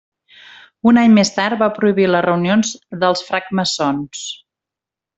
Un any més tard va prohibir les reunions dels francmaçons.